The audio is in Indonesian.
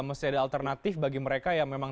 mesti ada alternatif bagi mereka yang memang